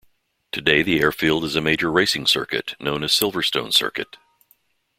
Today the airfield is a major racing circuit known as Silverstone Circuit.